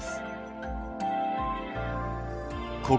ここ